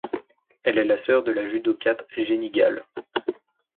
Elle est la sœur de la judokate Jenny Gal.